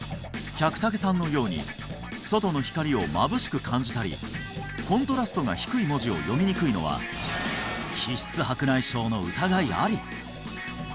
百武さんのように外の光をまぶしく感じたりコントラストが低い文字を読みにくいのは皮質白内障の疑いあり